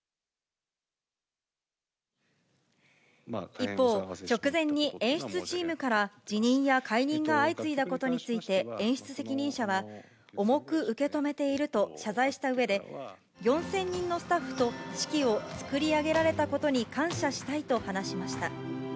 一方、直前に演出チームから辞任や解任が相次いだことについて、演出責任者は、重く受け止めていると謝罪したうえで、４０００人のスタッフと式を作り上げられたことに感謝したいと話しました。